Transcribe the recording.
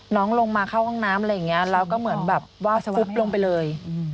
น้องลงมาเข้าห้องน้ำอะไรอย่างนี้แล้วก็เหมือนแบบว่าฟุ๊บลงไปเลย